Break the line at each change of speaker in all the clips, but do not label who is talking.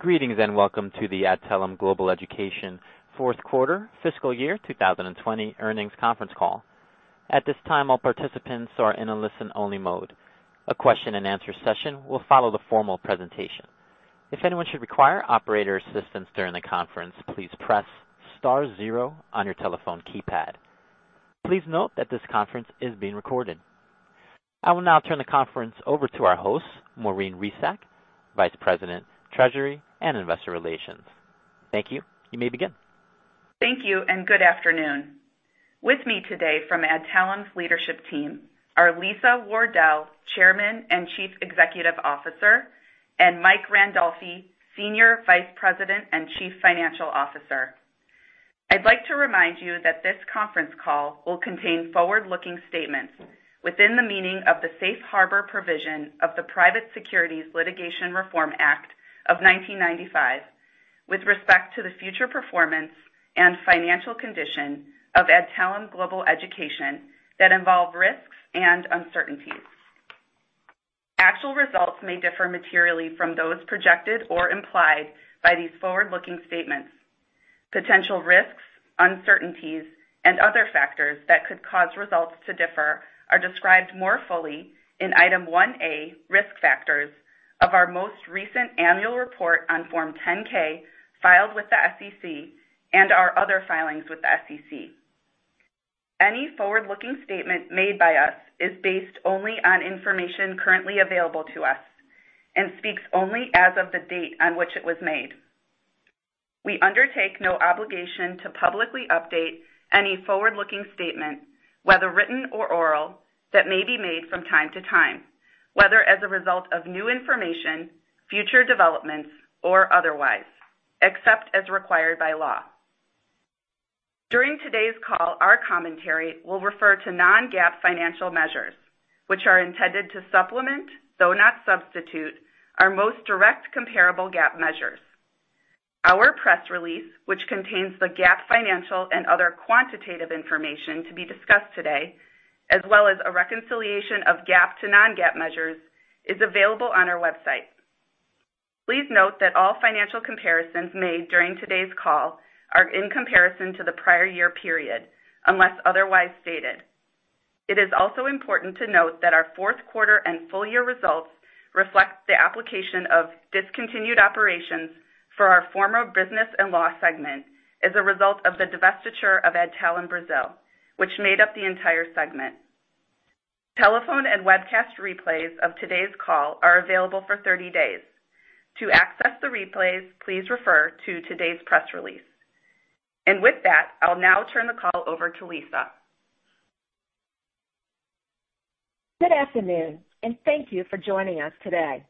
Greetings. Welcome to the Adtalem Global Education Fourth Quarter Fiscal Year 2020 Earnings Conference Call. At this time, all participants are in a listen-only mode. A question and answer session will follow the formal presentation. If anyone should require operator assistance during the conference, please press star zero on your telephone keypad. Please note that this conference is being recorded. I will now turn the conference over to our host, Maureen Resac, Vice President, Treasury and Investor Relations. Thank you. You may begin.
Thank you, and good afternoon. With me today from Adtalem's leadership team are Lisa Wardell, Chairman and Chief Executive Officer, and Mike Randolfi, Senior Vice President and Chief Financial Officer. I'd like to remind you that this conference call will contain forward-looking statements within the meaning of the Safe Harbor provision of the Private Securities Litigation Reform Act of 1995 with respect to the future performance and financial condition of Adtalem Global Education that involve risks and uncertainties. Actual results may differ materially from those projected or implied by these forward-looking statements. Potential risks, uncertainties, and other factors that could cause results to differ are described more fully in Item 1A, risk factors, of our most recent annual report on Form 10-K filed with the SEC and our other filings with the SEC. Any forward-looking statement made by us is based only on information currently available to us and speaks only as of the date on which it was made. We undertake no obligation to publicly update any forward-looking statement, whether written or oral, that may be made from time-to-time, whether as a result of new information, future developments, or otherwise, except as required by law. During today's call, our commentary will refer to non-GAAP financial measures, which are intended to supplement, though not substitute, our most direct comparable GAAP measures. Our press release, which contains the GAAP financial and other quantitative information to be discussed today, as well as a reconciliation of GAAP to non-GAAP measures, is available on our website. Please note that all financial comparisons made during today's call are in comparison to the prior year period, unless otherwise stated. It is also important to note that our fourth quarter and full-year results reflect the application of discontinued operations for our former business and law segment as a result of the divestiture of Adtalem Brazil, which made up the entire segment. Telephone and webcast replays of today's call are available for 30 days. To access the replays, please refer to today's press release. With that, I'll now turn the call over to Lisa.
Good afternoon, thank you for joining us today.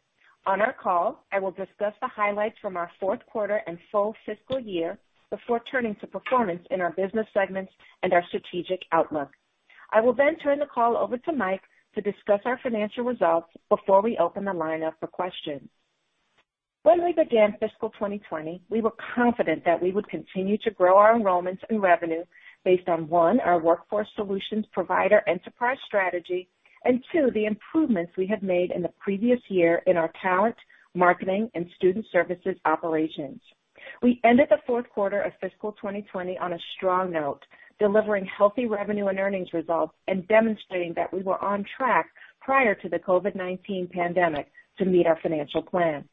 On our call, I will discuss the highlights from our fourth quarter and full fiscal year before turning to performance in our business segments and our strategic outlook. I will then turn the call over to Mike to discuss our financial results before we open the line up for questions. When we began fiscal 2020, we were confident that we would continue to grow our enrollments and revenue based on, one, our workforce solutions provider enterprise strategy, and two, the improvements we had made in the previous year in our talent, marketing, and student services operations. We ended the fourth quarter of fiscal 2020 on a strong note, delivering healthy revenue and earnings results and demonstrating that we were on track prior to the COVID-19 pandemic to meet our financial plan.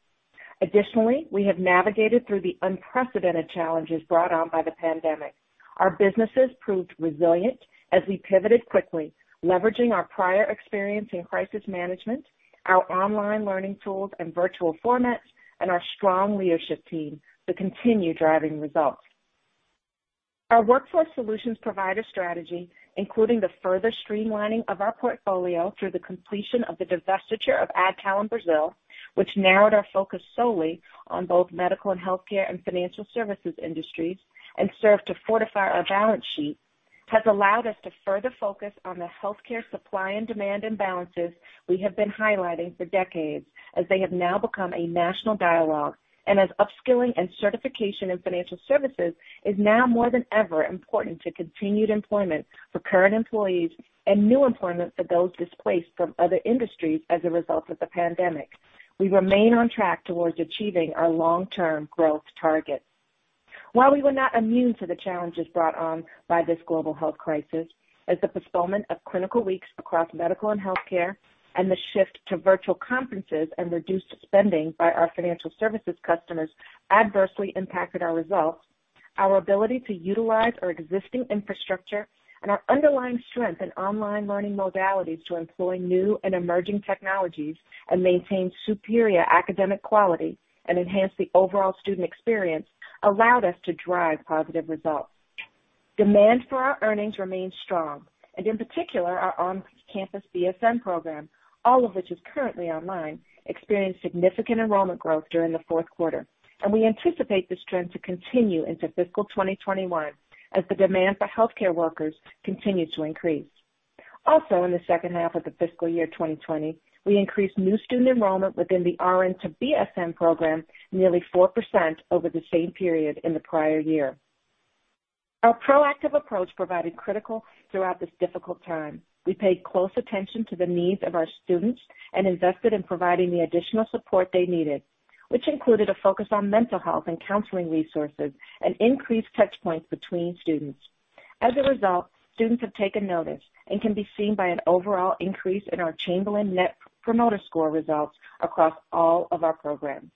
Additionally, we have navigated through the unprecedented challenges brought on by the pandemic. Our businesses proved resilient as we pivoted quickly, leveraging our prior experience in crisis management, our online learning tools and virtual formats, and our strong leadership team to continue driving results. Our workforce solutions provider strategy, including the further streamlining of our portfolio through the completion of the divestiture of Adtalem Brazil, which narrowed our focus solely on both medical and healthcare and financial services industries, and served to fortify our balance sheet, has allowed us to further focus on the healthcare supply and demand imbalances we have been highlighting for decades, as they have now become a national dialogue. As upskilling and certification in financial services is now more than ever important to continued employment for current employees and new employment for those displaced from other industries as a result of the pandemic. We remain on track towards achieving our long-term growth targets. While we were not immune to the challenges brought on by this global health crisis, as the postponement of clinical weeks across medical and healthcare and the shift to virtual conferences and reduced spending by our financial services customers adversely impacted our results, our ability to utilize our existing infrastructure and our underlying strength in online learning modalities to employ new and emerging technologies and maintain superior academic quality and enhance the overall student experience allowed us to drive positive results. Demand for our earnings remains strong, in particular, our on-campus BSN program, all of which is currently online, experienced significant enrollment growth during the fourth quarter. We anticipate this trend to continue into fiscal 2021 as the demand for healthcare workers continues to increase. Also, in the second half of the fiscal year 2020, we increased new student enrollment within the RN to BSN program nearly 4% over the same period in the prior year. Our proactive approach proved critical throughout this difficult time. We paid close attention to the needs of our students and invested in providing the additional support they needed, which included a focus on mental health and counseling resources and increased touchpoints between students. As a result, students have taken notice and can be seen by an overall increase in our Chamberlain Net Promoter Score results across all of our programs.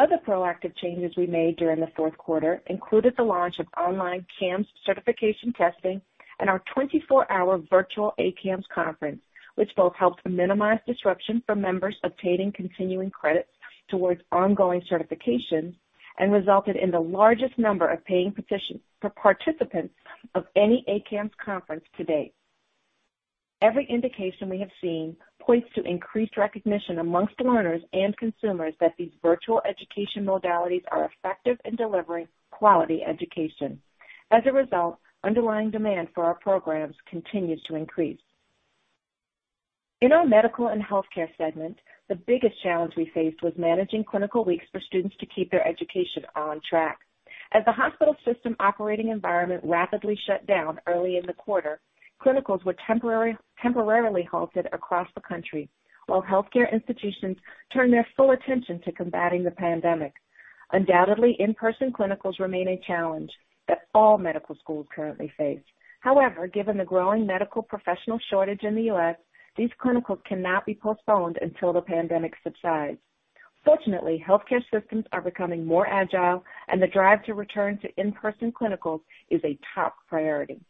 Other proactive changes we made during the fourth quarter included the launch of online CAMS certification testing and our 24-hour virtual ACAMS conference, which both helped minimize disruption for members obtaining continuing credits towards ongoing certification and resulted in the largest number of paying participants of any ACAMS conference to date. Every indication we have seen points to increased recognition amongst learners and consumers that these virtual education modalities are effective in delivering quality education. As a result, underlying demand for our programs continues to increase. In our medical and healthcare segment, the biggest challenge we faced was managing clinical weeks for students to keep their education on track. As the hospital system operating environment rapidly shut down early in the quarter, clinicals were temporarily halted across the country while healthcare institutions turned their full attention to combating the pandemic. Undoubtedly, in-person clinicals remain a challenge that all medical schools currently face. However, given the growing medical professional shortage in the U.S., these clinicals cannot be postponed until the pandemic subsides. Fortunately, healthcare systems are becoming more agile, and the drive to return to in-person clinicals is a top priority.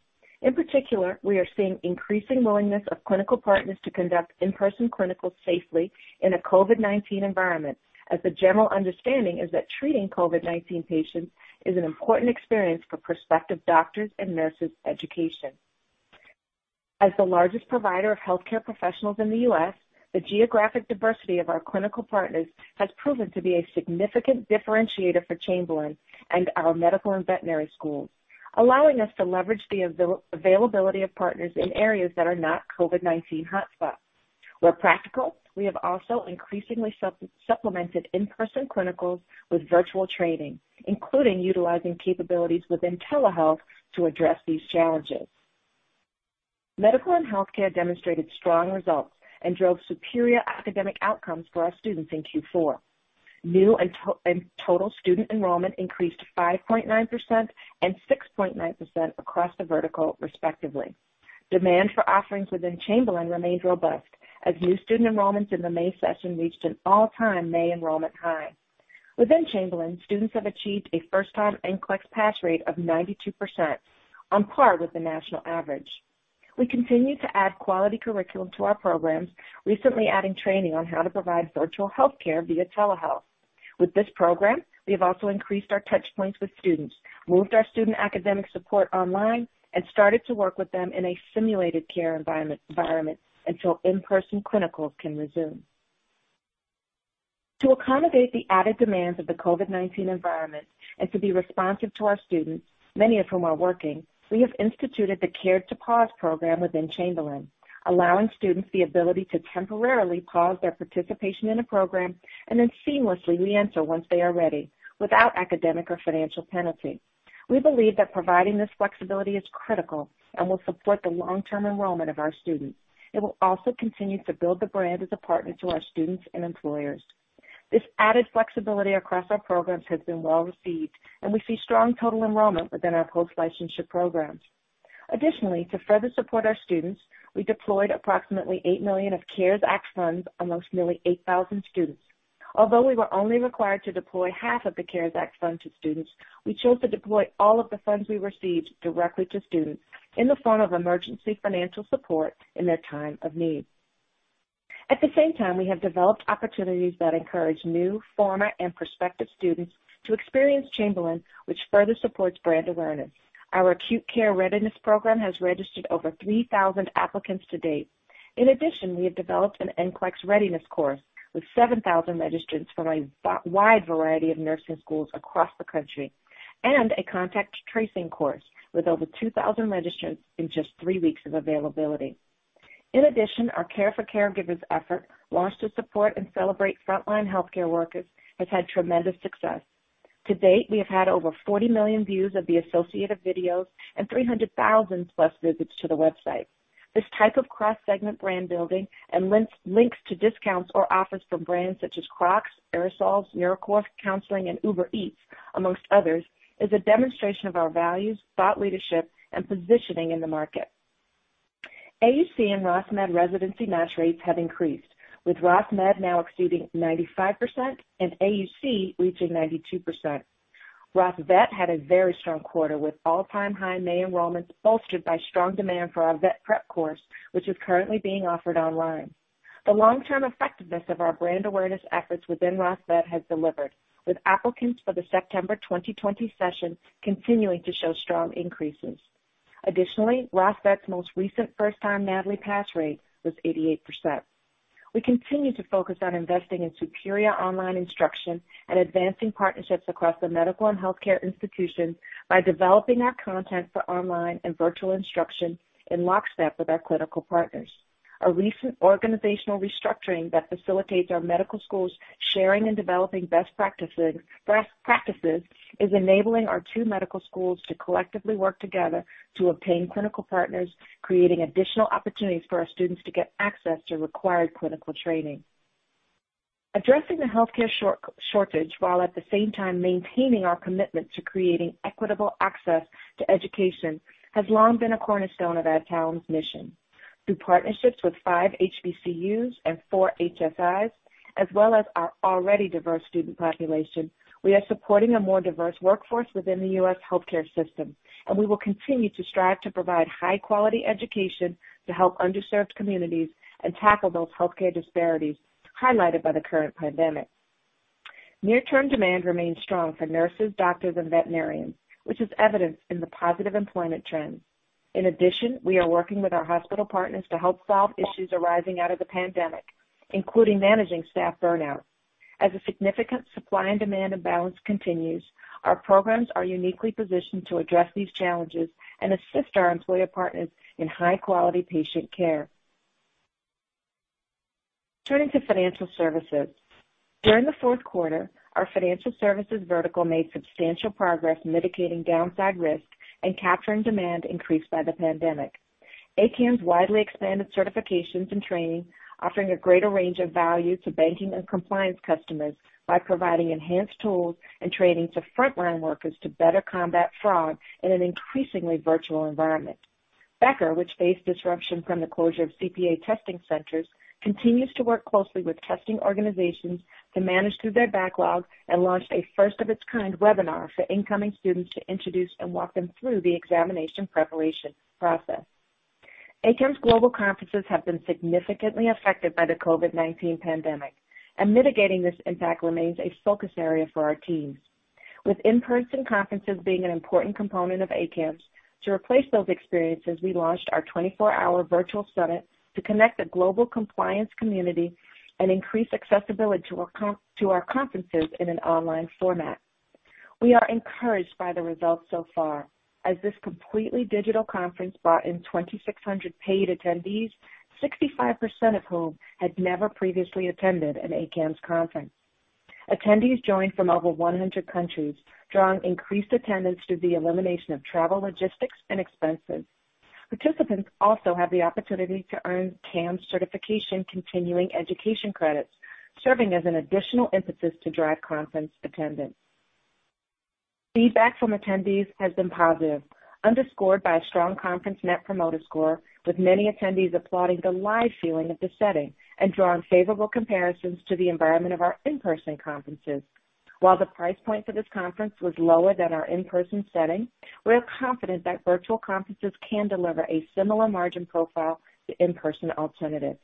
In particular, we are seeing increasing willingness of clinical partners to conduct in-person clinicals safely in a COVID-19 environment, as the general understanding is that treating COVID-19 patients is an important experience for prospective doctors' and nurses' education. As the largest provider of healthcare professionals in the U.S., the geographic diversity of our clinical partners has proven to be a significant differentiator for Chamberlain and our medical and veterinary schools, allowing us to leverage the availability of partners in areas that are not COVID-19 hotspots. Where practical, we have also increasingly supplemented in-person clinicals with virtual training, including utilizing capabilities within telehealth to address these challenges. Medical and healthcare demonstrated strong results and drove superior academic outcomes for our students in Q4. New and total student enrollment increased 5.9% and 6.9% across the vertical respectively. Demand for offerings within Chamberlain remains robust as new student enrollments in the May session reached an all-time May enrollment high. Within Chamberlain, students have achieved a first-time NCLEX pass rate of 92%, on par with the national average. We continue to add quality curriculum to our programs, recently adding training on how to provide virtual healthcare via telehealth. With this program, we have also increased our touchpoints with students, moved our student academic support online, and started to work with them in a simulated care environment until in-person clinicals can resume. To accommodate the added demands of the COVID-19 environment and to be responsive to our students, many of whom are working, we have instituted the Care to Pause program within Chamberlain, allowing students the ability to temporarily pause their participation in a program and then seamlessly reenter once they are ready, without academic or financial penalty. We believe that providing this flexibility is critical and will support the long-term enrollment of our students. It will also continue to build the brand as a partner to our students and employers. This added flexibility across our programs has been well received, and we see strong total enrollment within our post-licensure programs. Additionally, to further support our students, we deployed approximately $8 million of CARES Act funds amongst nearly 8,000 students. Although we were only required to deploy half of the CARES Act funds to students, we chose to deploy all of the funds we received directly to students in the form of emergency financial support in their time of need. At the same time, we have developed opportunities that encourage new, former, and prospective students to experience Chamberlain, which further supports brand awareness. Our Acute Care Readiness Program has registered over 3,000 applicants to date. In addition, we have developed an NCLEX readiness course, with 7,000 registrants from a wide variety of nursing schools across the country, and a contact tracing course with over 2,000 registrants in just three weeks of availability. In addition, our Care for Caregivers effort, launched to support and celebrate frontline healthcare workers, has had tremendous success. To date, we have had over 40 million views of the associated videos and 300,000-plus visits to the website. This type of cross-segment brand building and links to discounts or offers from brands such as Crocs, Aerosoles, MiraChorus Counseling, and Uber Eats, amongst others, is a demonstration of our values, thought leadership, and positioning in the market. AUC and Ross Med residency match rates have increased, with Ross Med now exceeding 95% and AUC reaching 92%. Ross Vet had a very strong quarter, with all-time high May enrollments bolstered by strong demand for our vet prep course, which is currently being offered online. The long-term effectiveness of our brand awareness efforts within Ross Vet has delivered, with applicants for the September 2020 session continuing to show strong increases. Ross Vet's most recent first-time NAVLE pass rate was 88%. We continue to focus on investing in superior online instruction and advancing partnerships across the medical and healthcare institutions by developing our content for online and virtual instruction in lockstep with our clinical partners. Our recent organizational restructuring that facilitates our medical schools sharing and developing best practices is enabling our two medical schools to collectively work together to obtain clinical partners, creating additional opportunities for our students to get access to required clinical training. Addressing the healthcare shortage while at the same time maintaining our commitment to creating equitable access to education has long been a cornerstone of Adtalem's mission. Through partnerships with five HBCUs and four HSIs, as well as our already diverse student population, we are supporting a more diverse workforce within the U.S. healthcare system. We will continue to strive to provide high-quality education to help underserved communities and tackle those healthcare disparities highlighted by the current pandemic. Near-term demand remains strong for nurses, doctors, and veterinarians, which is evident in the positive employment trends. In addition, we are working with our hospital partners to help solve issues arising out of the pandemic, including managing staff burnout. As a significant supply and demand imbalance continues, our programs are uniquely positioned to address these challenges and assist our employer partners in high-quality patient care. Turning to financial services. During the fourth quarter, our financial services vertical made substantial progress mitigating downside risk and capturing demand increased by the pandemic. ACAMS widely expanded certifications and training, offering a greater range of value to banking and compliance customers by providing enhanced tools and training to frontline workers to better combat fraud in an increasingly virtual environment. Becker, which faced disruption from the closure of CPA testing centers, continues to work closely with testing organizations to manage through their backlog and launched a first-of-its-kind webinar for incoming students to introduce and walk them through the examination preparation process. ACAMS global conferences have been significantly affected by the COVID-19 pandemic, and mitigating this impact remains a focus area for our teams. With in-person conferences being an important component of ACAMS, to replace those experiences, we launched our 24-hour virtual summit to connect the global compliance community and increase accessibility to our conferences in an online format. We are encouraged by the results so far, as this completely digital conference brought in 2,600 paid attendees, 65% of whom had never previously attended an ACAMS conference. Attendees joined from over 100 countries, drawing increased attendance through the elimination of travel logistics and expenses. Participants also have the opportunity to earn CAMS certification continuing education credits, serving as an additional emphasis to drive conference attendance. Feedback from attendees has been positive, underscored by a strong conference Net Promoter Score, with many attendees applauding the live feeling of the setting and drawing favorable comparisons to the environment of our in-person conferences. While the price point for this conference was lower than our in-person setting, we are confident that virtual conferences can deliver a similar margin profile to in-person alternatives.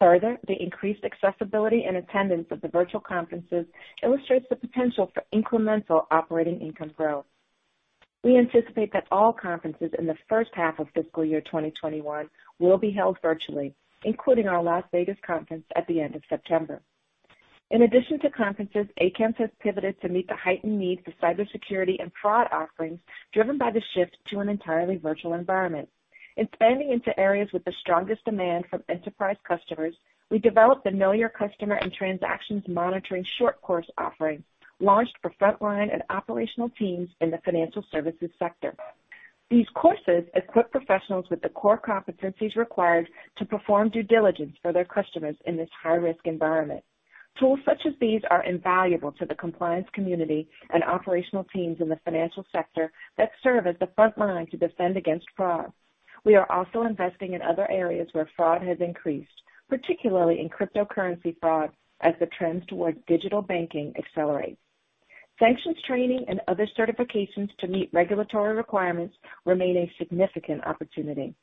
Further, the increased accessibility and attendance of the virtual conferences illustrates the potential for incremental operating income growth. We anticipate that all conferences in the first half of fiscal year 2021 will be held virtually, including our Las Vegas conference at the end of September. In addition to conferences, ACAMS has pivoted to meet the heightened need for cybersecurity and fraud offerings driven by the shift to an entirely virtual environment. Expanding into areas with the strongest demand from enterprise customers, we developed the Know Your Customer and Transactions Monitoring short course offering, launched for frontline and operational teams in the financial services sector. These courses equip professionals with the core competencies required to perform due diligence for their customers in this high-risk environment. Tools such as these are invaluable to the compliance community and operational teams in the financial sector that serve as the frontline to defend against fraud. We are also investing in other areas where fraud has increased, particularly in cryptocurrency fraud, as the trends towards digital banking accelerate. Sanctions training and other certifications to meet regulatory requirements remain a significant opportunity.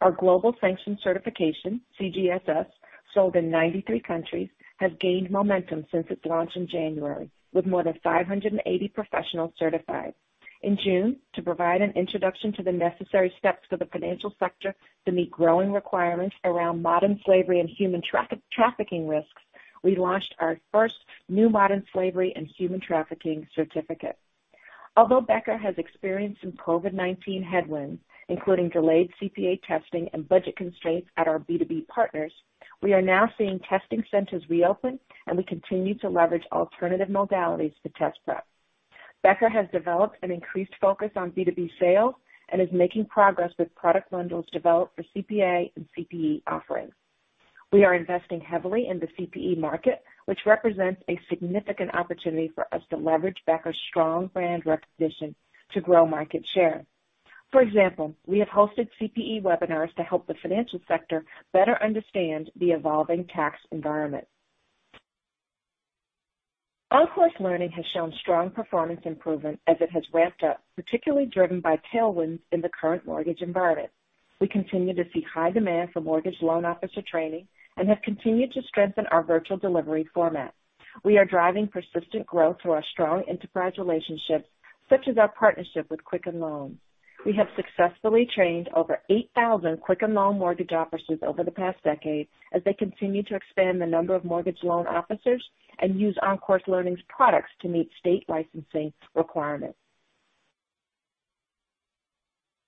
Our Global Sanctions Certification, CGSS, sold in 93 countries, has gained momentum since its launch in January, with more than 580 professionals certified. In June, to provide an introduction to the necessary steps for the financial sector to meet growing requirements around modern slavery and human trafficking risks, we launched our first new Modern Slavery and Human Trafficking certificate. Although Becker has experienced some COVID-19 headwinds, including delayed CPA testing and budget constraints at our B2B partners, we are now seeing testing centers reopen, and we continue to leverage alternative modalities to test prep. Becker has developed an increased focus on B2B sales and is making progress with product bundles developed for CPA and CPE offerings. We are investing heavily in the CPE market, which represents a significant opportunity for us to leverage Becker's strong brand recognition to grow market share. For example, we have hosted CPE webinars to help the financial sector better understand the evolving tax environment. OnCourse Learning has shown strong performance improvement as it has ramped up, particularly driven by tailwinds in the current mortgage environment. We continue to see high demand for mortgage loan officer training and have continued to strengthen our virtual delivery format. We are driving persistent growth through our strong enterprise relationships, such as our partnership with Quicken Loans. We have successfully trained over 8,000 Quicken Loans mortgage officers over the past decade as they continue to expand the number of mortgage loan officers and use OnCourse Learning's products to meet state licensing requirements.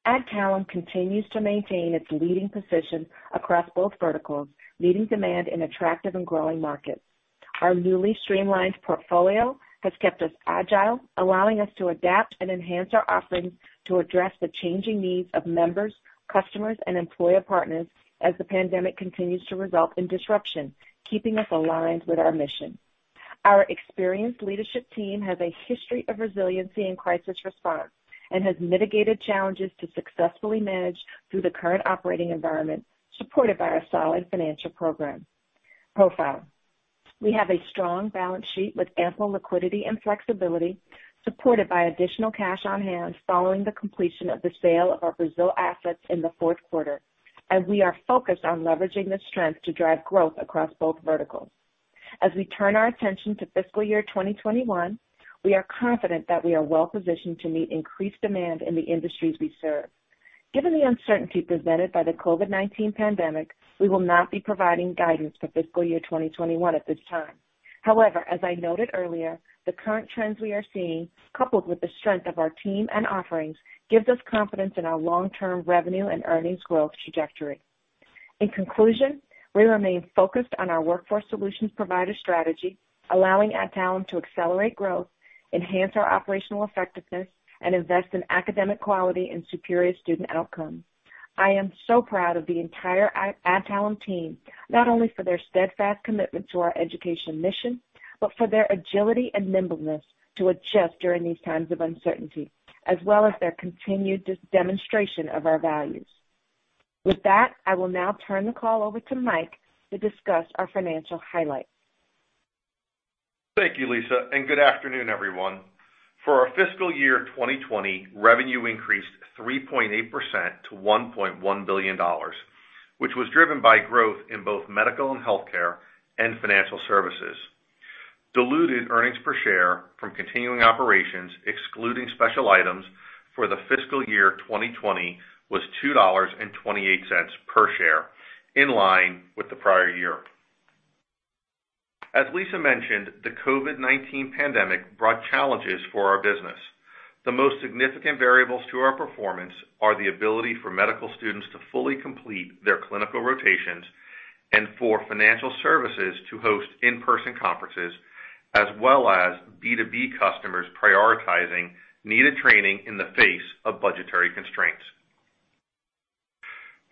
Adtalem continues to maintain its leading position across both verticals, meeting demand in attractive and growing markets. Our newly streamlined portfolio has kept us agile, allowing us to adapt and enhance our offerings to address the changing needs of members, customers, and employer partners as the pandemic continues to result in disruption, keeping us aligned with our mission. Our experienced leadership team has a history of resiliency in crisis response and has mitigated challenges to successfully manage through the current operating environment, supported by our solid financial profile. We have a strong balance sheet with ample liquidity and flexibility, supported by additional cash on hand following the completion of the sale of our Brazil assets in the fourth quarter, and we are focused on leveraging this strength to drive growth across both verticals. As we turn our attention to fiscal year 2021, we are confident that we are well-positioned to meet increased demand in the industries we serve. Given the uncertainty presented by the COVID-19 pandemic, we will not be providing guidance for fiscal year 2021 at this time. As I noted earlier, the current trends we are seeing, coupled with the strength of our team and offerings, gives us confidence in our long-term revenue and earnings growth trajectory. In conclusion, we remain focused on our workforce solutions provider strategy, allowing Adtalem to accelerate growth, enhance our operational effectiveness, and invest in academic quality and superior student outcomes. I am so proud of the entire Adtalem team, not only for their steadfast commitment to our education mission, but for their agility and nimbleness to adjust during these times of uncertainty, as well as their continued demonstration of our values. With that, I will now turn the call over to Mike to discuss our financial highlights.
Thank you, Lisa, and good afternoon, everyone. For our fiscal year 2020, revenue increased 3.8% to $1.1 billion, which was driven by growth in both Med/Vet and financial services. Diluted earnings per share from continuing operations, excluding special items, for the fiscal year 2020 was $2.28 per share, in line with the prior year. As Lisa mentioned, the COVID-19 pandemic brought challenges for our business. The most significant variables to our performance are the ability for medical students to fully complete their clinical rotations and for financial services to host in-person conferences, as well as B2B customers prioritizing needed training in the face of budgetary constraints.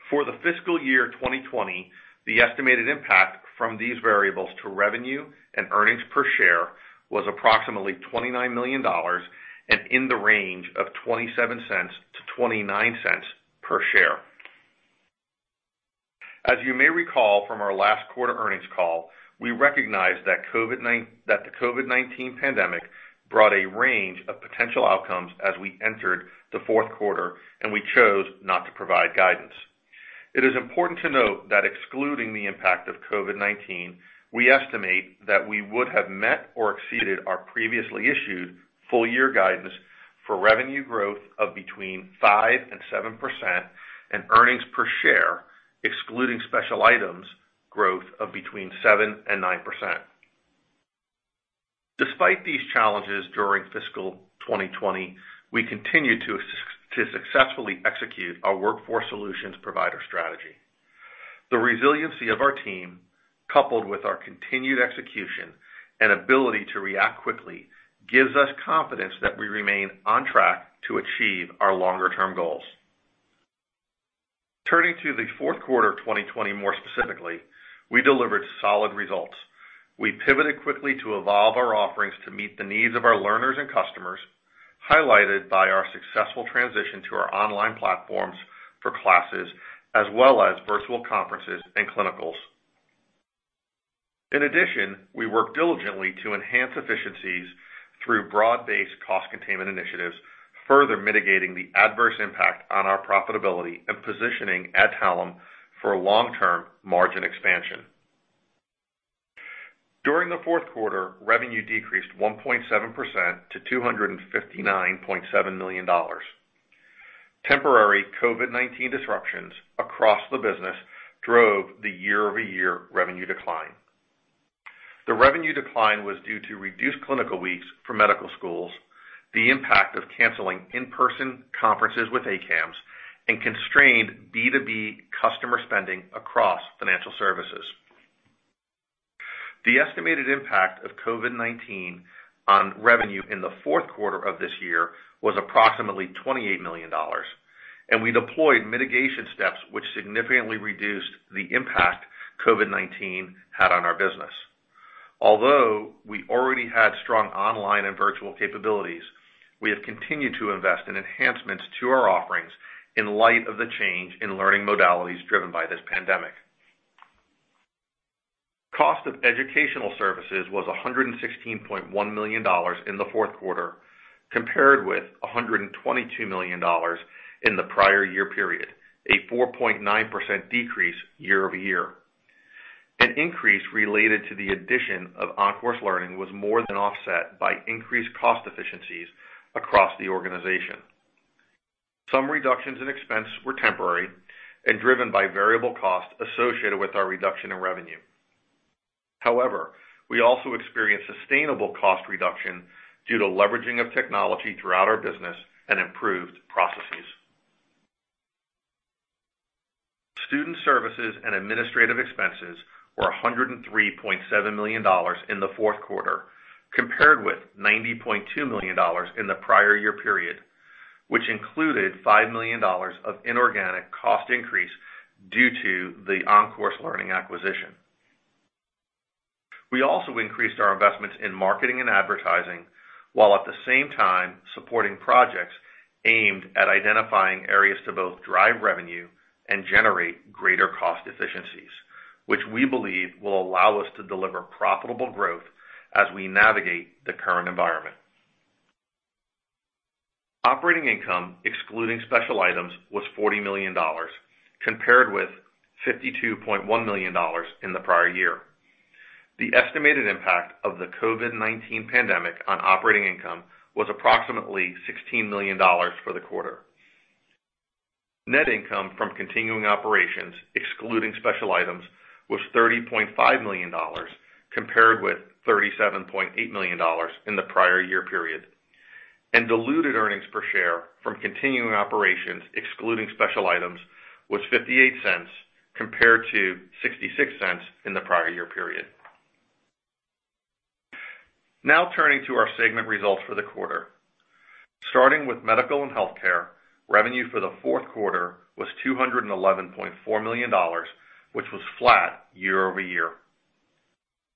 For the fiscal year 2020, the estimated impact from these variables to revenue and earnings per share was approximately $29 million and in the range of $0.27-$0.29 per share. As you may recall from our last quarter earnings call, we recognized that the COVID-19 pandemic brought a range of potential outcomes as we entered the fourth quarter. We chose not to provide guidance. It is important to note that excluding the impact of COVID-19, we estimate that we would have met or exceeded our previously issued full-year guidance for revenue growth of between 5% and 7% and earnings per share, excluding special items, growth of between 7% and 9%. Despite these challenges during fiscal 2020, we continued to successfully execute our workforce solutions provider strategy. The resiliency of our team, coupled with our continued execution and ability to react quickly, gives us confidence that we remain on track to achieve our longer-term goals. Turning to the fourth quarter 2020 more specifically, we delivered solid results. We pivoted quickly to evolve our offerings to meet the needs of our learners and customers, highlighted by our successful transition to our online platforms for classes as well as virtual conferences and clinicals. In addition, we worked diligently to enhance efficiencies through broad-based cost containment initiatives, further mitigating the adverse impact on our profitability and positioning Adtalem for a long-term margin expansion. During the fourth quarter, revenue decreased 1.7% to $259.7 million. Temporary COVID-19 disruptions across the business drove the year-over-year revenue decline. The revenue decline was due to reduced clinical weeks for medical schools, the impact of canceling in-person conferences with ACAMS, and constrained B2B customer spending across financial services. The estimated impact of COVID-19 on revenue in the fourth quarter of this year was approximately $28 million. We deployed mitigation steps which significantly reduced the impact COVID-19 had on our business. Although we already had strong online and virtual capabilities, we have continued to invest in enhancements to our offerings in light of the change in learning modalities driven by this pandemic. Cost of educational services was $116.1 million in the fourth quarter, compared with $122 million in the prior year period, a 4.9% decrease year-over-year. An increase related to the addition of OnCourse Learning was more than offset by increased cost efficiencies across the organization. Some reductions in expense were temporary and driven by variable costs associated with our reduction in revenue. However, we also experienced sustainable cost reduction due to leveraging of technology throughout our business and improved processes. Student services and administrative expenses were $103.7 million in the fourth quarter, compared with $90.2 million in the prior year period, which included $5 million of inorganic cost increase due to the OnCourse Learning acquisition. We also increased our investments in marketing and advertising, while at the same time supporting projects aimed at identifying areas to both drive revenue and generate greater cost efficiencies, which we believe will allow us to deliver profitable growth as we navigate the current environment. Operating income, excluding special items, was $40 million, compared with $52.1 million in the prior year. The estimated impact of the COVID-19 pandemic on operating income was approximately $16 million for the quarter. Net income from continuing operations, excluding special items, was $30.5 million, compared with $37.8 million in the prior year period, and diluted earnings per share from continuing operations, excluding special items, was $0.58, compared to $0.66 in the prior year period. Now, turning to our segment results for the quarter. Starting with Medical and Healthcare, revenue for the fourth quarter was $211.4 million, which was flat year-over-year.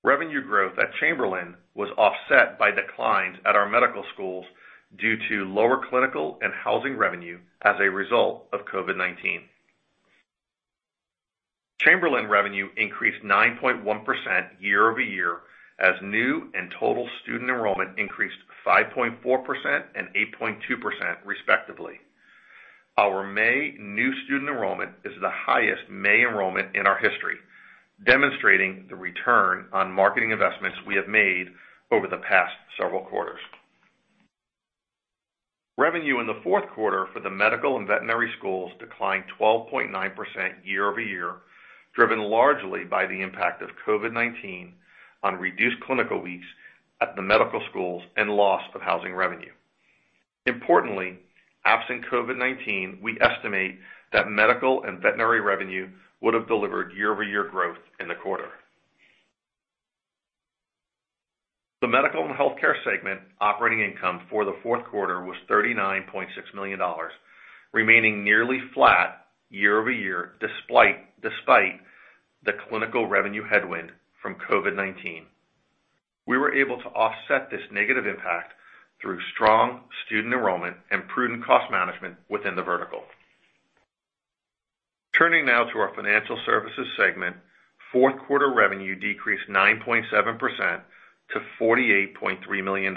Revenue growth at Chamberlain was offset by declines at our medical schools due to lower clinical and housing revenue as a result of COVID-19. Chamberlain revenue increased 9.1% year-over-year as new and total student enrollment increased 5.4% and 8.2% respectively. Our May new student enrollment is the highest May enrollment in our history, demonstrating the return on marketing investments we have made over the past several quarters. Revenue in the fourth quarter for the medical and veterinary schools declined 12.9% year-over-year, driven largely by the impact of COVID-19 on reduced clinical weeks at the medical schools and loss of housing revenue. Importantly, absent COVID-19, we estimate that medical and veterinary revenue would have delivered year-over-year growth in the quarter. The medical and healthcare segment operating income for the fourth quarter was $39.6 million, remaining nearly flat year-over-year, despite the clinical revenue headwind from COVID-19. We were able to offset this negative impact through strong student enrollment and prudent cost management within the vertical. Turning now to our financial services segment, fourth quarter revenue decreased 9.7% to $48.3 million.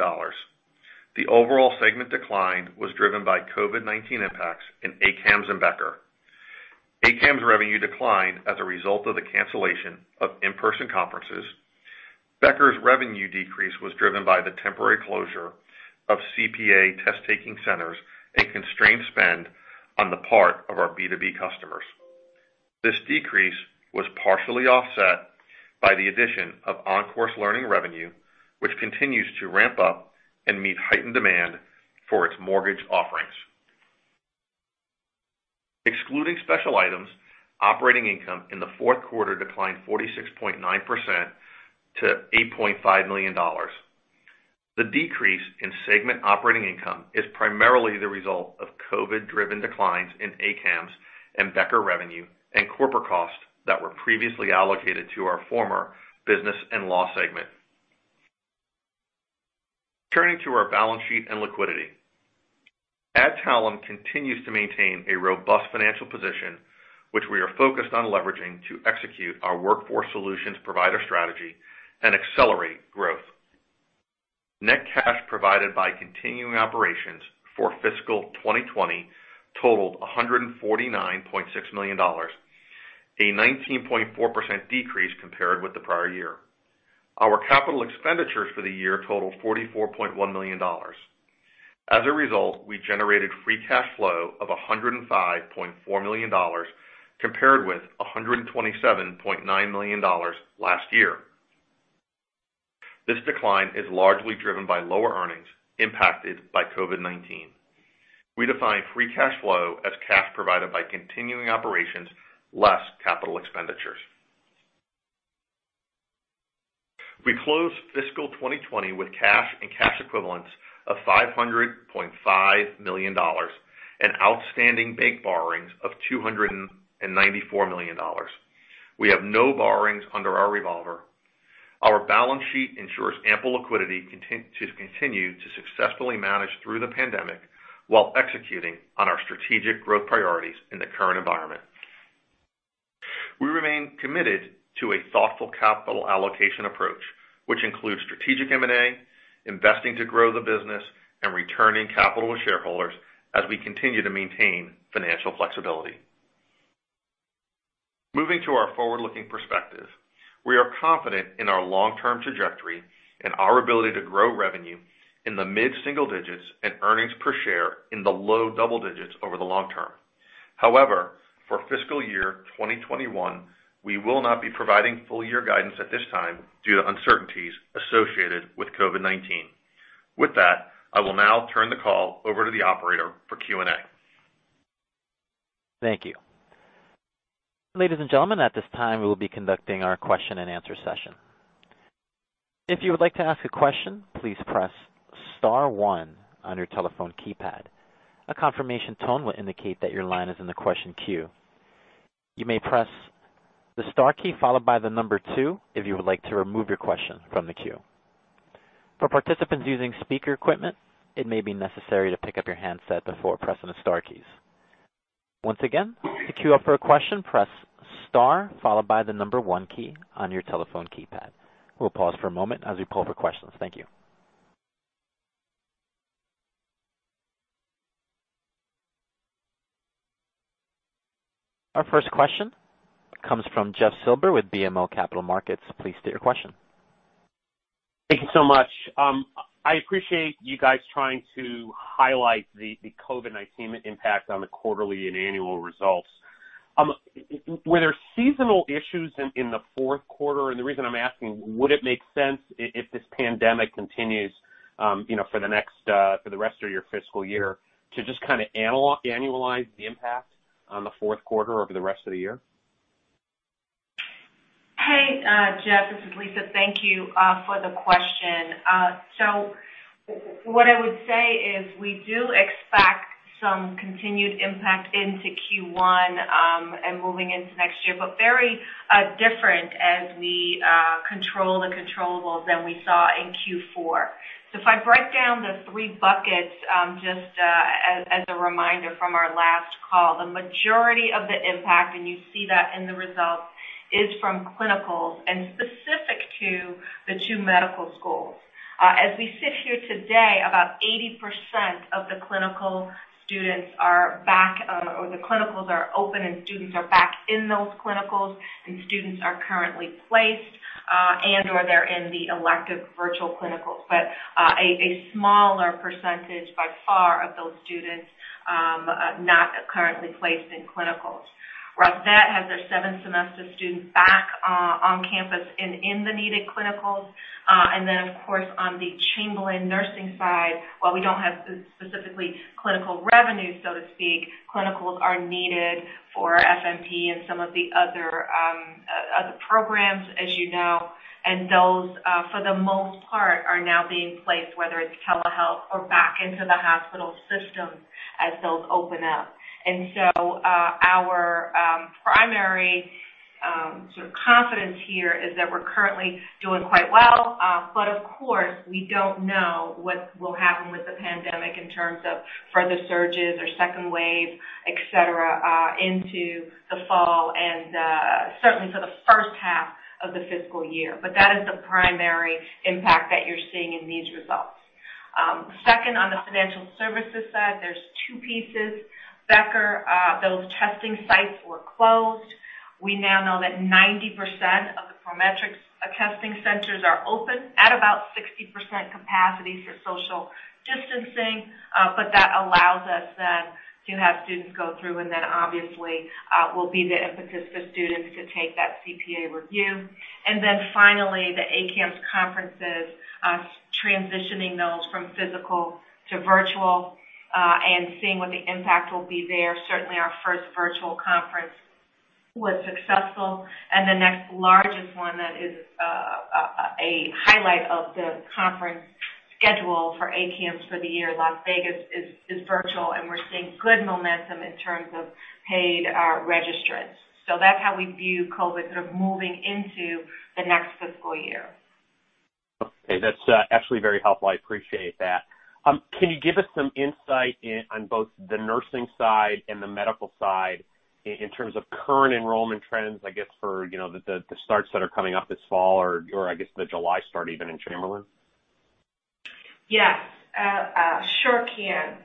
The overall segment decline was driven by COVID-19 impacts in ACAMS and Becker. ACAMS revenue declined as a result of the cancellation of in-person conferences. Becker's revenue decrease was driven by the temporary closure of CPA test-taking centers and constrained spend on the part of our B2B customers. This decrease was partially offset by the addition of OnCourse Learning revenue, which continues to ramp up and meet heightened demand for its mortgage offerings. Excluding special items, operating income in the fourth quarter declined 46.9% to $8.5 million. The decrease in segment operating income is primarily the result of COVID-driven declines in ACAMS and Becker revenue and corporate costs that were previously allocated to our former business and law segment. Turning to our balance sheet and liquidity. Adtalem continues to maintain a robust financial position, which we are focused on leveraging to execute our workforce solutions provider strategy and accelerate growth. Net cash provided by continuing operations for fiscal 2020 totaled $149.6 million, a 19.4% decrease compared with the prior year. Our capital expenditures for the year totaled $44.1 million. As a result, we generated free cash flow of $105.4 million, compared with $127.9 million last year. This decline is largely driven by lower earnings impacted by COVID-19. We define free cash flow as cash provided by continuing operations less capital expenditures. We closed fiscal 2020 with cash and cash equivalents of $500.5 million and outstanding bank borrowings of $294 million. We have no borrowings under our revolver. Our balance sheet ensures ample liquidity to continue to successfully manage through the pandemic while executing on our strategic growth priorities in the current environment. We remain committed to a thoughtful capital allocation approach, which includes strategic M&A, investing to grow the business, and returning capital to shareholders as we continue to maintain financial flexibility. Moving to our forward-looking perspective. We are confident in our long-term trajectory and our ability to grow revenue in the mid-single digits and earnings per share in the low double digits over the long term. However, for fiscal year 2021, we will not be providing full year guidance at this time due to uncertainties associated with COVID-19. With that, I will now turn the call over to the operator for Q&A.
Thank you. Ladies and gentlemen, at this time, we will be conducting our question and answer session. If you would like to ask a question, please press star one on your telephone keypad. A confirmation tone will indicate that your line is in the question queue. You may press the star key followed by the number two if you would like to remove your question from the queue. For participants using speaker equipment, it may be necessary to pick up your handset before pressing the star keys. Once again, to queue up for a question, press star followed by the number one key on your telephone keypad. We'll pause for a moment as we pull for questions. Thank you. Our first question comes from Jeff Silber with BMO Capital Markets. Please state your question.
Thank you so much. I appreciate you guys trying to highlight the COVID-19 impact on the quarterly and annual results. Were there seasonal issues in the fourth quarter? The reason I'm asking, would it make sense if this pandemic continues for the rest of your fiscal year to just annualize the impact on the fourth quarter over the rest of the year?
Hey, Jeff. This is Lisa. Thank you for the question. What I would say is we do expect some continued impact into Q1, and moving into next year, but very different as we control the controllables than we saw in Q4. If I break down the three buckets, just as a reminder from our last call, the majority of the impact, and you see that in the results, is from clinicals and specific to the two medical schools. As we sit here today, about 80% of the clinical students are back, or the clinicals are open and students are back in those clinicals, and students are currently placed, and/or they're in the elective virtual clinicals. A smaller percentage by far of those students are not currently placed in clinicals. Ross Med has their seventh semester students back on campus and in the needed clinicals. Of course, on the Chamberlain Nursing side, while we don't have specifically clinical revenue, so to speak, clinicals are needed for FNP and some of the other programs, you know. Those for the most part, are now being placed, whether it's telehealth or back into the hospital systems as those open up. Our primary confidence here is that we're currently doing quite well. Of course, we don't know what will happen with the pandemic in terms of further surges or second wave, et cetera, into the fall and certainly for the first half of the fiscal year. That is the primary impact that you're seeing in these results. Second, on the financial services side, there's two pieces. Becker, those testing sites were closed. We now know that 90% of the Prometric testing centers are open at about 60% capacity for social distancing. That allows us then to have students go through, and then obviously will be the impetus for students to take that CPA review. Then finally, the ACAMS conferences, transitioning those from physical to virtual, and seeing what the impact will be there. Certainly, our first virtual conference was successful, and the next largest one that is a highlight of the conference schedule for ACAMS for the year, Las Vegas, is virtual, and we're seeing good momentum in terms of paid registrants. That's how we view COVID sort of moving into the next fiscal year.
Okay. That's actually very helpful. I appreciate that. Can you give us some insight on both the nursing side and the medical side in terms of current enrollment trends, I guess, for the starts that are coming up this fall or I guess the July start even in Chamberlain?
Yes. Sure can.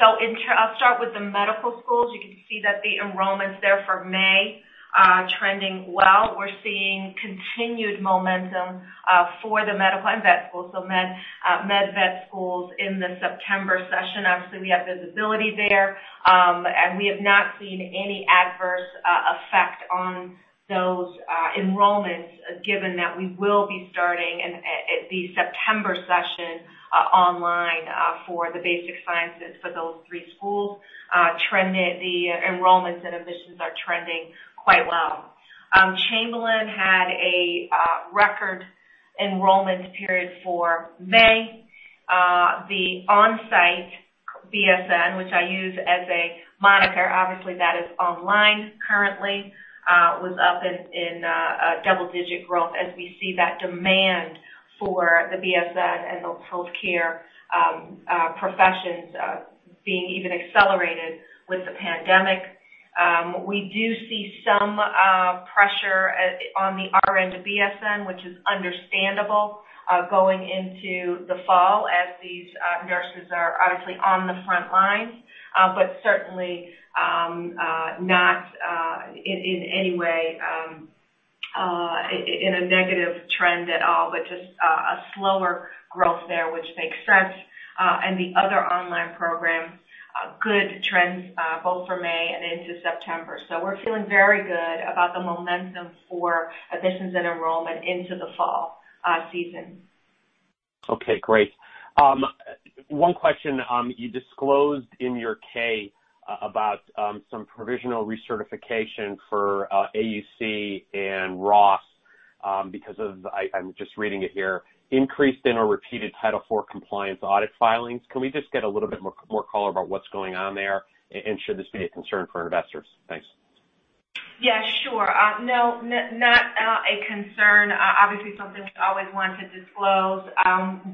I'll start with the medical schools. You can see that the enrollments there for May are trending well. We're seeing continued momentum for the medical and vet schools. Med/Vet schools in the September session. Obviously, we have visibility there. We have not seen any adverse effect on those enrollments given that we will be starting the September session online for the basic sciences for those three schools. The enrollments and admissions are trending quite well. Chamberlain had a record enrollment period for May. The on-site BSN, which I use as a moniker, obviously that is online currently, was up in double-digit growth as we see that demand for the BSN and those healthcare professions being even accelerated with the pandemic. We do see some pressure on the RN to BSN, which is understandable going into the fall as these nurses are obviously on the front lines. Certainly not in any way a negative trend at all, but just a slower growth there, which makes sense. The other online programs, good trends both for May and into September. We're feeling very good about the momentum for admissions and enrollment into the fall season.
Okay, great. One question. You disclosed in your K about some provisional recertification for AUC and Ross because of, I'm just reading it here, increased or repeated Title IV compliance audit filings. Can we just get a little bit more color about what's going on there? Should this be a concern for investors? Thanks.
Yeah, sure. No, not a concern. Obviously, something we always want to disclose.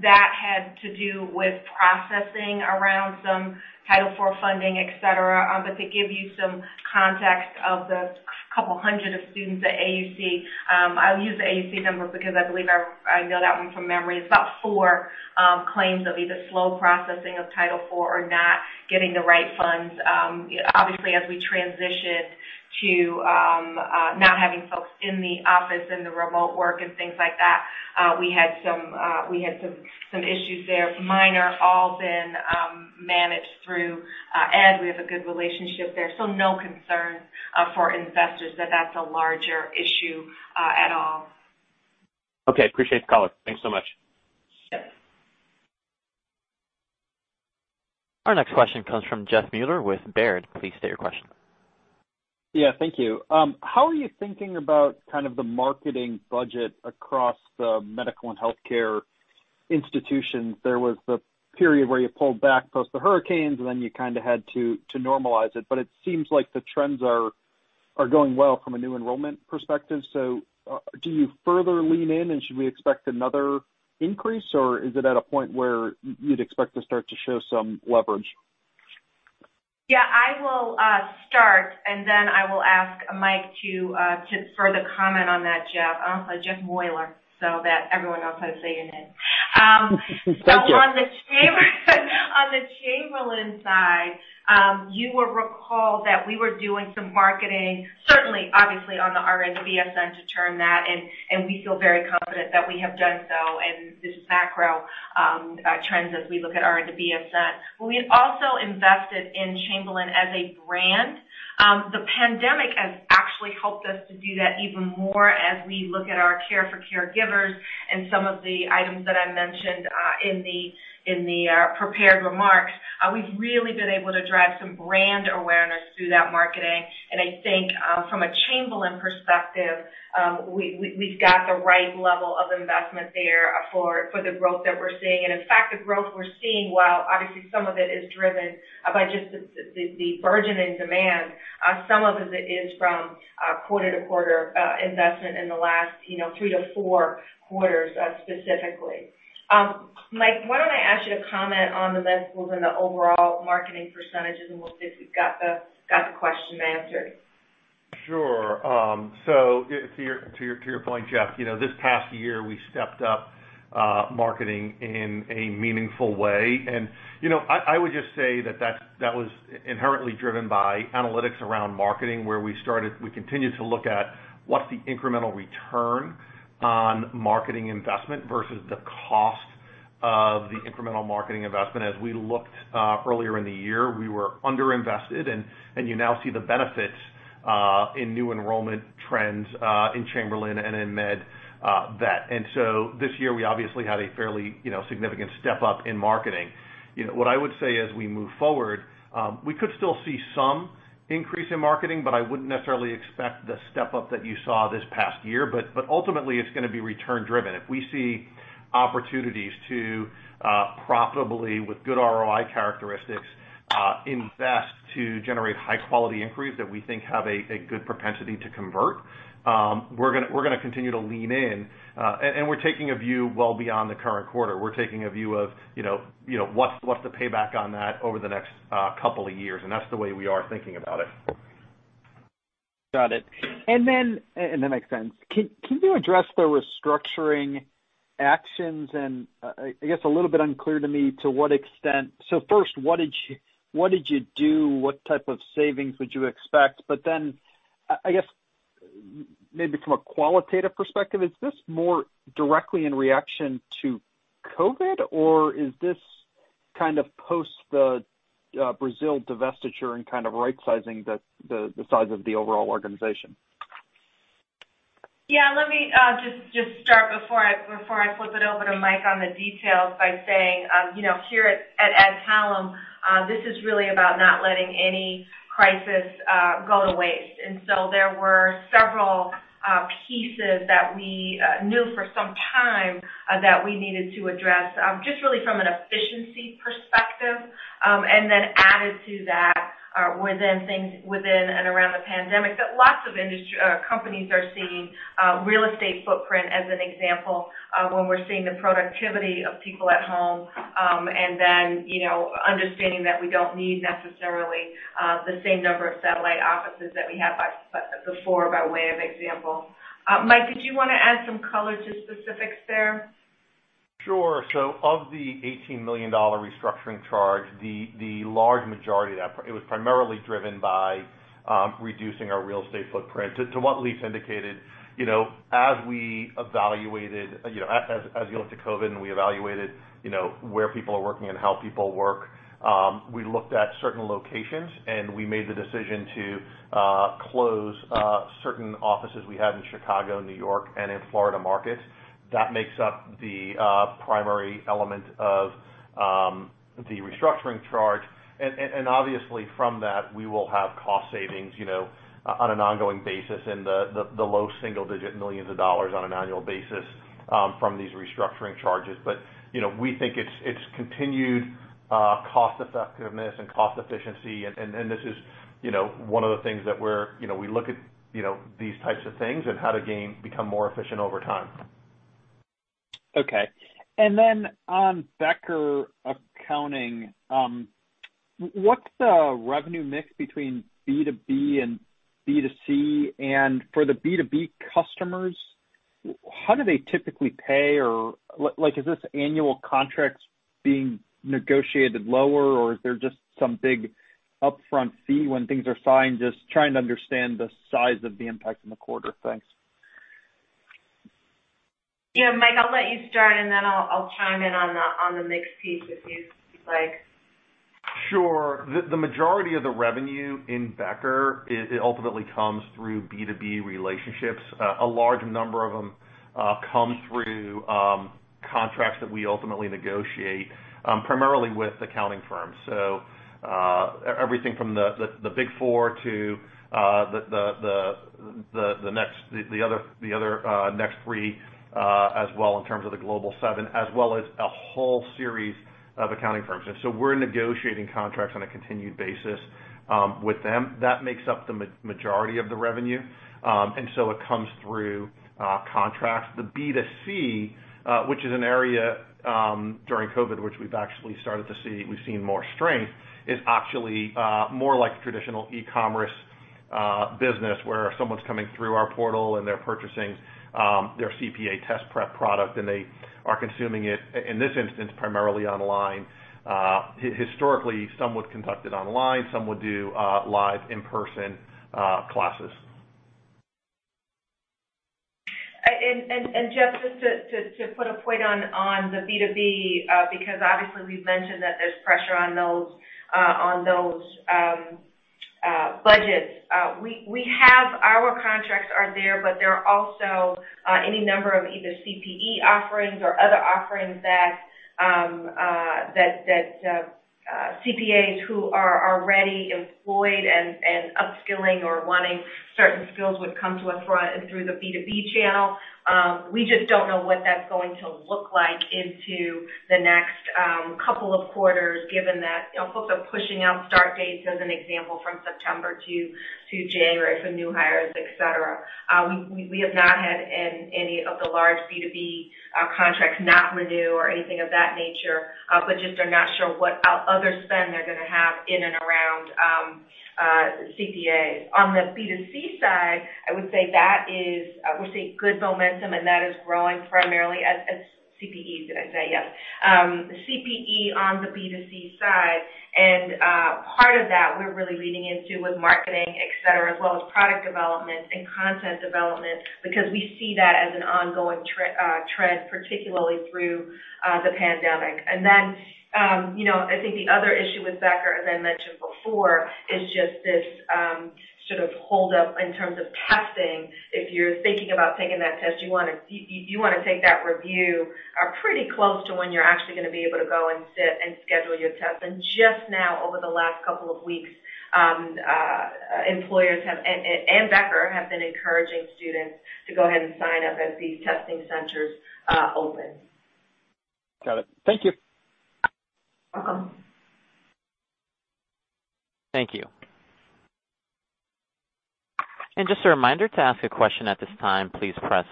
That had to do with processing around some Title IV funding, et cetera. To give you some context of the couple hundred students at AUC, I'll use the AUC numbers because I believe I know that one from memory. It's about four claims of either slow processing of Title IV or not getting the right funds. Obviously, as we transitioned to not having folks in the office and the remote work and things like that, we had some issues there. Minor, all been managed through ED. We have a good relationship there. No concern for investors that that's a larger issue at all.
Okay. Appreciate the color. Thanks so much.
Our next question comes from Jeff Meuler with Baird. Please state your question.
Yeah, thank you. How are you thinking about kind of the marketing budget across the medical and healthcare institutions? There was the period where you pulled back post the hurricanes, and then you kind of had to normalize it, but it seems like the trends are going well from a new enrollment perspective. Do you further lean in, and should we expect another increase, or is it at a point where you'd expect to start to show some leverage?
I will start, and then I will ask Mike to further comment on that, Jeff. Jeff Meuler, so that everyone knows how to say your name.
Thank you.
On the Chamberlain side, you will recall that we were doing some marketing, certainly, obviously, on the RN to BSN to turn that, and we feel very confident that we have done so. This is macro trends as we look at RN to BSN. We have also invested in Chamberlain as a brand. The pandemic has actually helped us to do that even more as we look at our Care for Caregivers and some of the items that I mentioned in the prepared remarks. We've really been able to drive some brand awareness through that marketing, and I think from a Chamberlain perspective, we've got the right level of investment there for the growth that we're seeing. In fact, the growth we're seeing, while obviously some of it is driven by just the burgeoning demand, some of it is from quarter-to-quarter investment in the last three to four quarters, specifically. Mike, why don't I ask you to comment on the Med schools and the overall marketing percentages, and we'll see if we've got the question answered.
Sure. To your point, Jeff, this past year, we stepped up marketing in a meaningful way. I would just say that was inherently driven by analytics around marketing, where we continued to look at what's the incremental return on marketing investment versus the cost of the incremental marketing investment. As we looked earlier in the year, we were under-invested, and you now see the benefits in new enrollment trends in Chamberlain and in Med/Vet. This year, we obviously had a fairly significant step-up in marketing. What I would say as we move forward, we could still see some increase in marketing, but I wouldn't necessarily expect the step-up that you saw this past year. Ultimately, it's going to be return driven. If we see opportunities to profitably, with good ROI characteristics, invest to generate high-quality inquiries that we think have a good propensity to convert, we're going to continue to lean in. We're taking a view well beyond the current quarter. We're taking a view of what's the payback on that over the next couple of years, and that's the way we are thinking about it.
Got it. That makes sense. Can you address the restructuring actions? I guess a little bit unclear to me to what extent. First, what did you do? What type of savings would you expect? Then, I guess maybe from a qualitative perspective, is this more directly in reaction to COVID-19, or is this kind of post the Brazil divestiture and kind of right-sizing the size of the overall organization?
Yeah, let me just start before I flip it over to Mike on the details by saying, here at Adtalem, this is really about not letting any crisis go to waste. There were several pieces that we knew for some time that we needed to address, just really from an efficiency perspective. Added to that were then things within and around the pandemic that lots of companies are seeing, real estate footprint as an example, when we're seeing the productivity of people at home, understanding that we don't need necessarily the same number of satellite offices that we had before, by way of example. Mike, did you want to add some color to specifics there?
Sure. Of the $18 million restructuring charge, the large majority of that was primarily driven by reducing our real estate footprint. To what Lisa indicated, as we looked at COVID and we evaluated where people are working and how people work, we looked at certain locations, and we made the decision to close certain offices we had in Chicago, New York, and in Florida markets. That makes up the primary element of the restructuring charge. Obviously from that, we will have cost savings on an ongoing basis in the low single-digit millions of dollars on an annual basis from these restructuring charges. We think it's continued cost effectiveness and cost efficiency, and this is one of the things that we look at these types of things and how to become more efficient over time.
Okay. On Becker accounting, what's the revenue mix between B2B and B2C? For the B2B customers, how do they typically pay? Is this annual contracts being negotiated lower, or is there just some big upfront fee when things are signed? Just trying to understand the size of the impact in the quarter. Thanks.
Yeah, Mike, I'll let you start, and then I'll chime in on the mix piece if you'd like.
Sure. The majority of the revenue in Becker ultimately comes through B2B relationships. A large number of them come through contracts that we ultimately negotiate, primarily with accounting firms. Everything from the Big Four to the other next three as well in terms of the Global Seven, as well as a whole series of accounting firms. We're negotiating contracts on a continued basis with them. That makes up the majority of the revenue. It comes through contracts. The B2C, which is an area during COVID, which we've actually started to see more strength, is actually more like a traditional e-commerce business where someone's coming through our portal and they're purchasing their CPA test prep product, and they are consuming it, in this instance, primarily online. Historically, some would conduct it online, some would do live in-person classes.
Jeff, just to put a point on the B2B because obviously we've mentioned that there's pressure on those budgets. Our contracts are there. There are also any number of either CPE offerings or other offerings that CPAs who are already employed and upskilling or wanting certain skills would come to us through the B2B channel. We just don't know what that's going to look like into the next couple of quarters, given that folks are pushing out start dates, as an example, from September to January for new hires, et cetera. We have not had any of the large B2B contracts not renew or anything of that nature. Just are not sure what other spend they're going to have in and around CPAs. On the B2C side, we're seeing good momentum. That is growing primarily as CPE. CPE on the B2C side. Part of that we're really leaning into with marketing, et cetera, as well as product development and content development, because we see that as an ongoing trend, particularly through the pandemic. Then I think the other issue with Becker, as I mentioned before, is just this sort of hold up in terms of testing. If you're thinking about taking that test, you want to take that review pretty close to when you're actually going to be able to go and sit and schedule your test. Just now, over the last couple of weeks, employers and Becker have been encouraging students to go ahead and sign up as these testing centers open.
Got it. Thank you.
Welcome.
Thank you. Just a reminder, to ask a question at this time, please press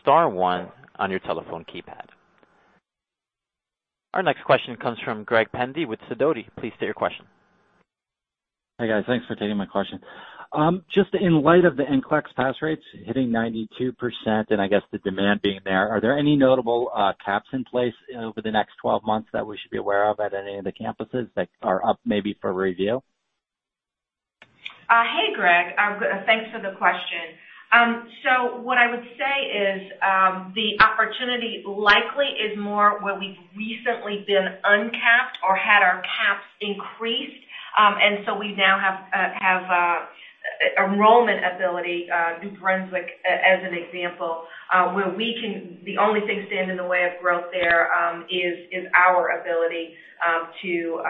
star one on your telephone keypad. Our next question comes from Greg Pendy with Sidoti. Please state your question.
Hi, guys. Thanks for taking my question. Just in light of the NCLEX pass rates hitting 92% and I guess the demand being there, are there any notable caps in place over the next 12 months that we should be aware of at any of the campuses that are up maybe for review?
Hey, Greg. Thanks for the question. What I would say is the opportunity likely is more where we've recently been uncapped or had our caps increased. We now have enrollment ability, New Brunswick, as an example, where the only thing standing in the way of growth there is our ability to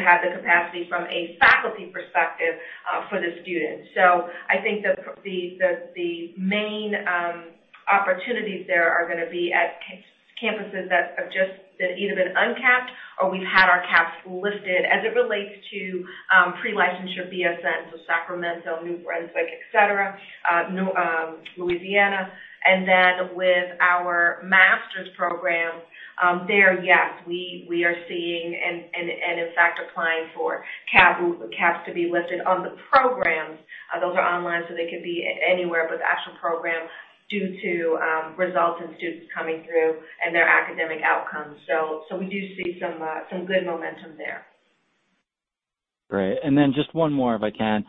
have the capacity from a faculty perspective for the students. I think the main opportunities there are going to be at campuses that have just either been uncapped or we've had our caps lifted as it relates to pre-licensure BSNs, Sacramento, New Brunswick, et cetera, Louisiana. With our master's programs there, yes, we are seeing and in fact, applying for caps to be lifted on the programs. Those are online, so they could be anywhere, but the actual program due to results and students coming through and their academic outcomes. We do see some good momentum there.
Great. Then just one more, if I can.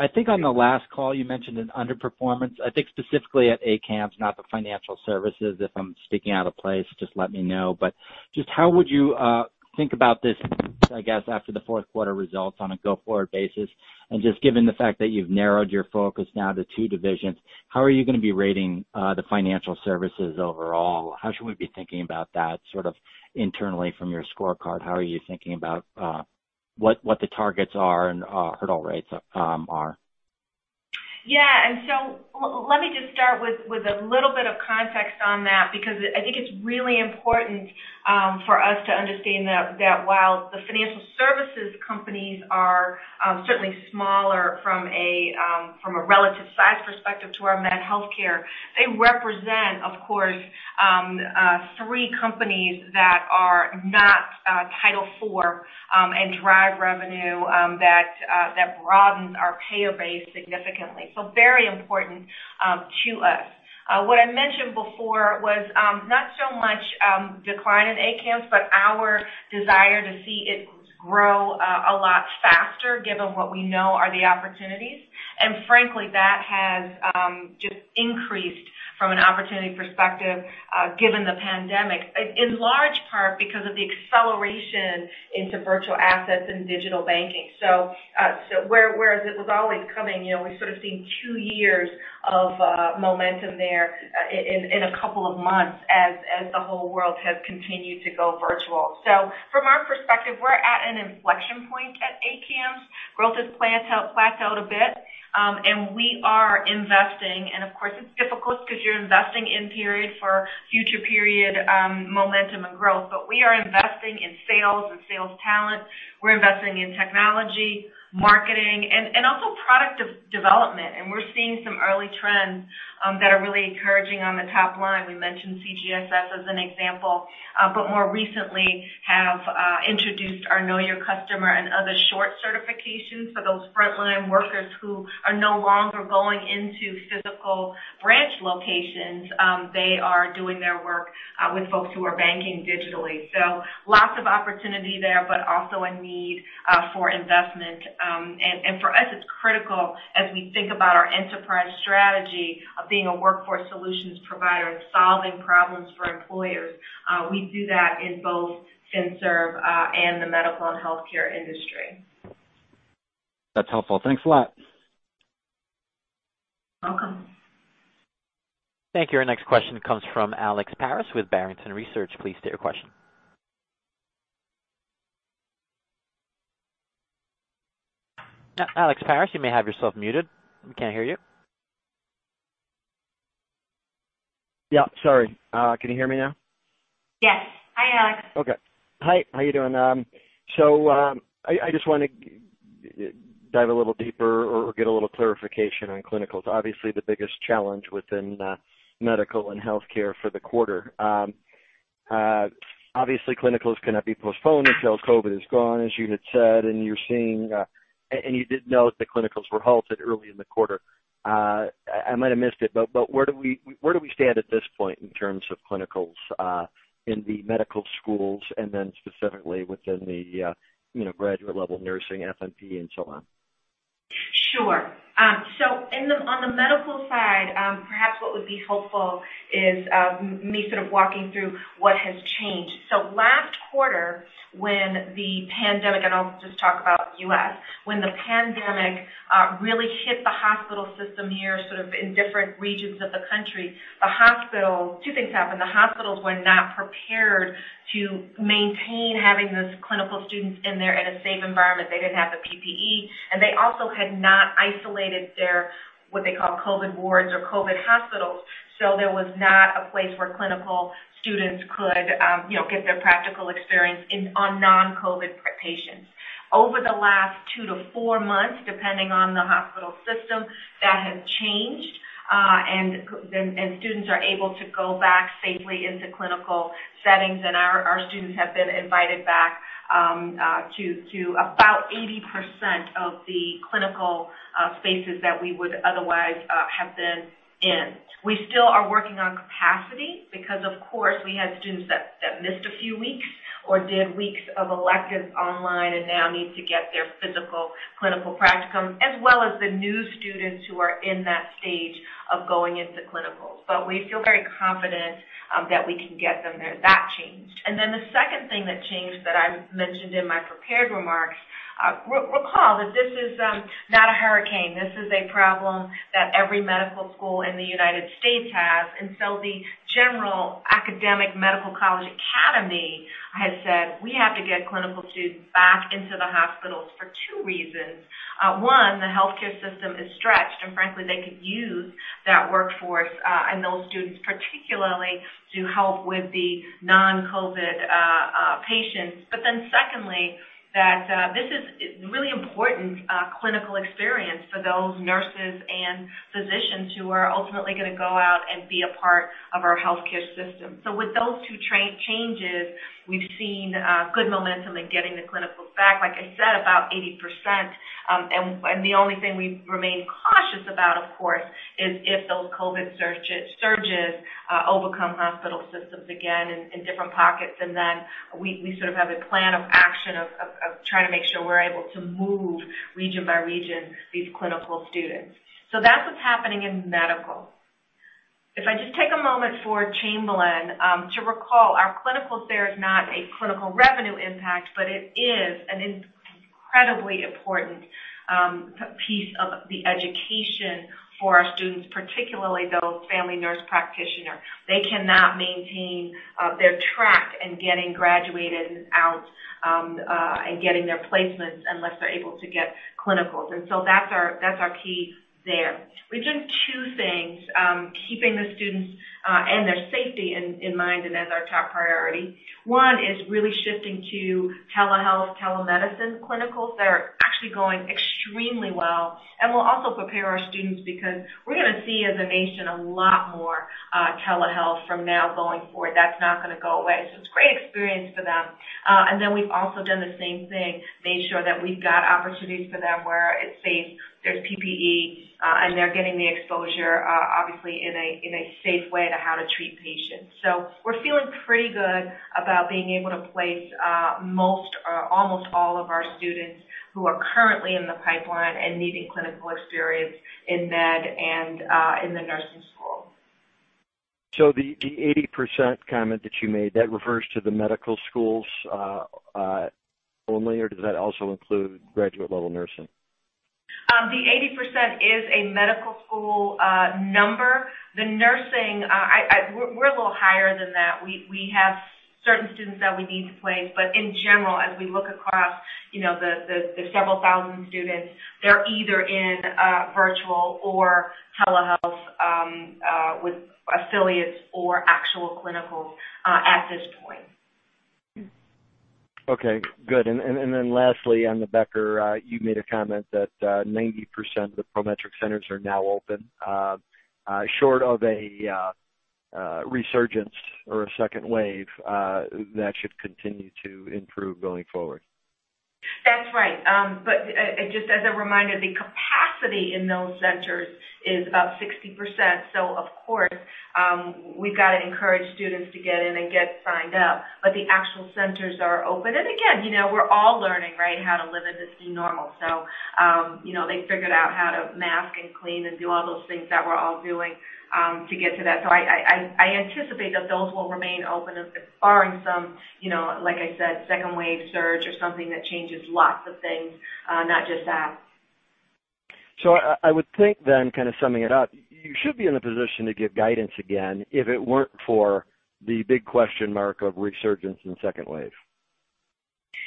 I think on the last call you mentioned an underperformance, I think specifically at ACAMS, not the financial services. If I'm speaking out of place, just let me know. Just how would you think about this, I guess, after the fourth quarter results on a go-forward basis? Just given the fact that you've narrowed your focus now to two divisions, how are you going to be rating the financial services overall? How should we be thinking about that sort of internally from your scorecard? How are you thinking about what the targets are and hurdle rates are?
Yeah. Let me just start with a little bit of context on that, because I think it's really important for us to understand that while the financial services companies are certainly smaller from a relative size perspective to our Med/Vet healthcare, they represent, of course, three companies that are not Title IV and drive revenue that broadens our payer base significantly. Very important to us. What I mentioned before was not so much decline in ACAMS, but our desire to see it grow a lot faster given what we know are the opportunities. Frankly, that has just increased from an opportunity perspective, given the pandemic. In large part because of the acceleration into virtual assets and digital banking. Whereas it was always coming, we've sort of seen two years of momentum there in a couple of months as the whole world has continued to go virtual. From our perspective, we're at an inflection point at ACAMS. Growth has plateaued a bit. We are investing, and of course, it's difficult because you're investing in period for future period momentum and growth. We are investing in sales and sales talent. We're investing in technology, marketing, and also product development. We're seeing some early trends that are really encouraging on the top line. We mentioned CGSS as an example. More recently have introduced our Know Your Customer and other short certifications for those frontline workers who are no longer going into physical branch locations. They are doing their work with folks who are banking digitally. Lots of opportunity there, but also a need for investment. For us, it's critical as we think about our enterprise strategy of being a workforce solutions provider and solving problems for employers. We do that in both FinServ and the medical and healthcare industry.
That's helpful. Thanks a lot.
Welcome.
Thank you. Our next question comes from Alex Paris with Barrington Research. Please state your question. Alex Paris, you may have yourself muted. We can't hear you.
Yeah, sorry. Can you hear me now?
Yes. Hi, Alex.
Okay. Hi, how you doing? I just want to dive a little deeper or get a little clarification on clinicals. Obviously, the biggest challenge within medical and healthcare for the quarter. Obviously, clinicals cannot be postponed until COVID is gone, as you had said, and you did note the clinicals were halted early in the quarter. I might have missed it, but where do we stand at this point in terms of clinicals in the medical schools and then specifically within the graduate-level nursing, FNP, and so on?
Sure. On the medical side, perhaps what would be helpful is me sort of walking through what has changed. Last quarter, when the pandemic, and I'll just talk about U.S., when the pandemic really hit the hospital system here sort of in different regions of the country, two things happened. The hospitals were not prepared to maintain having those clinical students in there in a safe environment. They didn't have the PPE, and they also had not isolated their, what they call COVID wards or COVID hospitals. There was not a place where clinical students could get their practical experience on non-COVID patients. Over the last two to four months, depending on the hospital system, that has changed. Students are able to go back safely into clinical settings. Our students have been invited back to about 80% of the clinical spaces that we would otherwise have been in. We still are working on capacity because, of course, we had students that missed a few weeks or did weeks of electives online and now need to get their physical clinical practicum, as well as the new students who are in that stage of going into clinicals. We feel very confident that we can get them there. That changed. The second thing that changed that I mentioned in my prepared remarks, recall that this is not a hurricane. This is a problem that every medical school in the U.S. has. The general academic medical college academy has said we have to get clinical students back into the hospitals for two reasons. One, the healthcare system is stretched, and frankly, they could use that workforce and those students particularly to help with the non-COVID patients. Secondly, that this is really important clinical experience for those nurses and physicians who are ultimately going to go out and be a part of our healthcare system. With those two changes, we've seen good momentum in getting the clinicals back, like I said, about 80%. The only thing we remain cautious about, of course, is if those COVID surges overcome hospital systems again in different pockets, and then we sort of have a plan of action of trying to make sure we're able to move region by region these clinical students. That's what's happening in medical. If I just take a moment for Chamberlain, to recall, our clinical fair is not a clinical revenue impact, it is an incredibly important piece of the education for our students, particularly those family nurse practitioner. They cannot maintain their track in getting graduated and out, and getting their placements unless they're able to get clinicals. That's our key there. We've done two things, keeping the students, and their safety in mind and as our top priority. One is really shifting to telehealth, telemedicine clinicals that are actually going extremely well and will also prepare our students because we're going to see as a nation a lot more telehealth from now going forward. That's not going to go away. It's a great experience for them. We've also done the same thing, made sure that we've got opportunities for them where it's safe, there's PPE, and they're getting the exposure, obviously in a safe way to how to treat patients. We're feeling pretty good about being able to place most, almost all of our students who are currently in the pipeline and needing clinical experience in med and in the nursing school.
The 80% comment that you made, that refers to the medical schools only or does that also include graduate-level nursing?
The 80% is a medical school number. The nursing, we're a little higher than that. We have certain students that we need to place. In general, as we look across the several thousand students, they're either in virtual or telehealth, with affiliates or actual clinicals at this point.
Okay, good. Lastly, on the Becker, you made a comment that 90% of the Prometric centers are now open. Short of a resurgence or a second wave, that should continue to improve going forward.
That's right. Just as a reminder, the capacity in those centers is about 60%. Of course, we've got to encourage students to get in and get signed up. The actual centers are open. Again, we're all learning how to live in this new normal. They figured out how to mask and clean and do all those things that we're all doing to get to that. I anticipate that those will remain open barring some, like I said, second wave surge or something that changes lots of things, not just that.
I would think then, kind of summing it up, you should be in the position to give guidance again if it weren't for the big question mark of resurgence and second wave.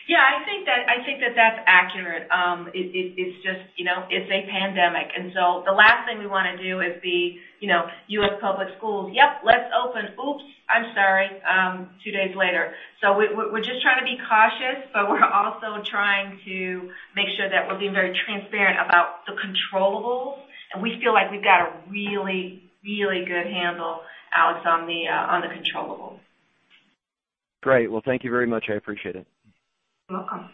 Yeah, I think that that's accurate. It's a pandemic. The last thing we want to do is be U.S. public schools, "Yep, let's open. Oops, I'm sorry," two days later. We're just trying to be cautious, but we're also trying to make sure that we're being very transparent about the controllables, and we feel like we've got a really, really good handle, Alex, on the controllables.
Great. Well, thank you very much. I appreciate it.
You're welcome.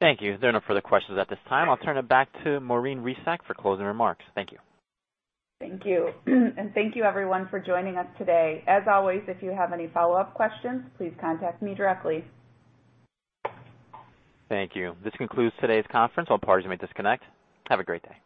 Thank you. There are no further questions at this time. I'll turn it back to Maureen Resac for closing remarks. Thank you.
Thank you. Thank you everyone for joining us today. As always, if you have any follow-up questions, please contact me directly.
Thank you. This concludes today's conference. All parties may disconnect. Have a great day.